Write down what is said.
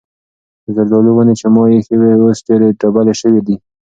د زردالو ونې چې ما ایښې وې اوس ډېرې ډبلې شوې دي.